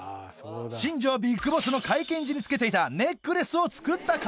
新庄ビッグボスの会見時に着けていたネックレスを作った方